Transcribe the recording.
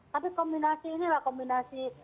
tapi kombinasi inilah kombinasi